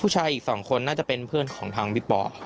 ผู้ชายอีกสองคนน่าจะเป็นเพื่อนของทางพี่ป๊อป